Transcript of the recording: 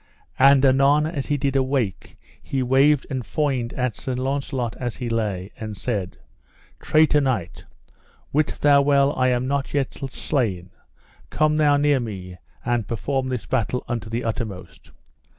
And anon as he did awake he waved and foined at Sir Launcelot as he lay, and said: Traitor knight, wit thou well I am not yet slain, come thou near me and perform this battle unto the uttermost.